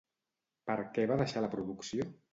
Per què va deixar la producció?